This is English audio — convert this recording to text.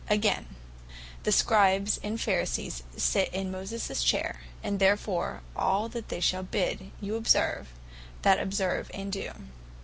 Again, (Math. 23. 2,3) "The Scribes and Pharisees sit in Moses chayre and therefore All that they shall bid you observe, that observe and do."